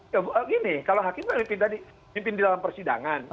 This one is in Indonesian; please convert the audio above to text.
ya gini kalau hakim itu yang dipimpin di dalam persidangan